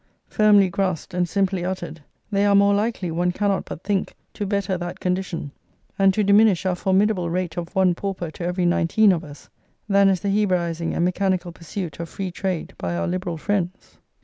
Firmly grasped and simply uttered, they are more likely, one cannot but think, to better that condition, and to diminish our formidable rate of one pauper to every nineteen of us, than is the Hebraising and mechanical pursuit of free trade by our Liberal friends.